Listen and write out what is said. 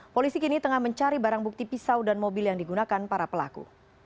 polisi kini tengah mencari barang bukti pisau dan mobil yang digunakan para pelaku